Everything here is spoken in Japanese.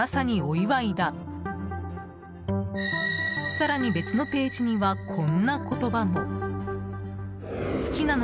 更に別のページにはこんな言葉も。